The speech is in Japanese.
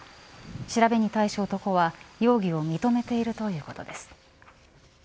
調べに対し男は容疑を認めているということです。